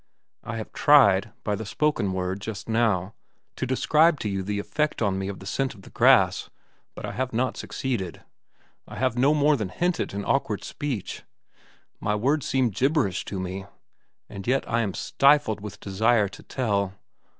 I have tried, by the spoken word, just now, to describe to you the effect on me of the scent of the grass. But I have not succeeded. I have no more than hinted in awkward speech. My words seem gibberish to me. And yet I am stifled with desire to tell.